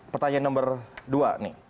pertanyaan nomor dua nih